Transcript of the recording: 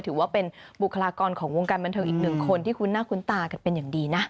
ถือว่าเป็นบุคลากรของวงการบันเทิงอีกหนึ่งคนที่คุ้นหน้าคุ้นตากันเป็นอย่างดีนะ